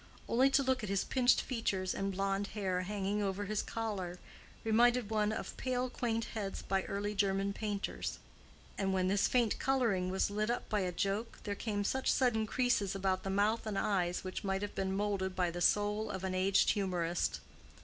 Only to look at his pinched features and blonde hair hanging over his collar reminded one of pale quaint heads by early German painters; and when this faint coloring was lit up by a joke, there came sudden creases about the mouth and eyes which might have been moulded by the soul of an aged humorist.